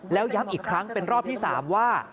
แล้วย้ำอีกครั้งเป็นรอบที่๓ว่า